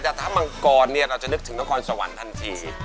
แต่ถ้ามังกรเนี่ยเราจะนึกถึงนครสวรรค์ทันที